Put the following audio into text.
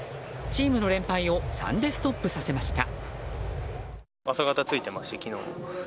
チームの連敗を３でストップさせました。